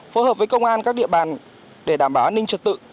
phối hợp với công an các địa bàn để đảm bảo an ninh trật tự